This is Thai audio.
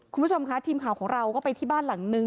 คุณผู้ชมค่ะทีมข่าวของเราก็ไปที่บ้านหลังนึง